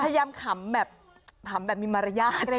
พยายามขำแบบมีมรยาท